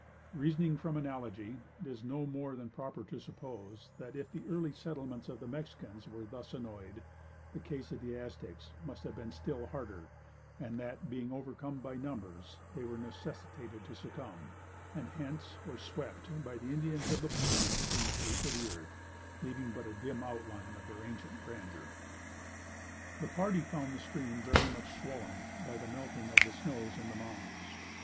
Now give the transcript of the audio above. Reasoning from analogy, it is no more than proper to suppose, that if the early settlements of the Mexicans were thus annoyed, the case of the Aztecs must have been still harder, and that being overcome by numbers, they were necessitated to succumb; and hence, were swept, by the Indians of the plains, from the face of the earth, leaving but a dim outline of their ancient grandeur. The party found the stream very much swollen by the melting of the snows in the mountains.